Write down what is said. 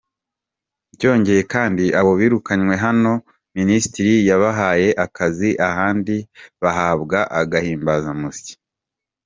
Byongeye kandi abo birukanywe hano, minisitiri yabahaye akazi ahandi bahabwa agahimbazamusyi.